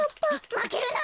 まけるな！